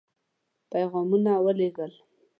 پيغامونه ولېږل.